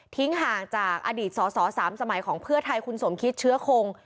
ห่างจากอดีตสอสอ๓สมัยของเพื่อไทยคุณสมคิดเชื้อคง